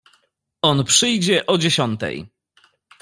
"On przyjdzie o dziesiątej."